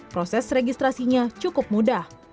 proses registrasinya cukup mudah